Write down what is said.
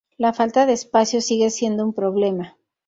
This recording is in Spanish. La falta de espacio sigue siendo un problema.